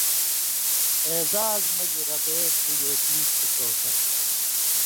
اعزاز مژ ربے تی گے دی چھی کوثر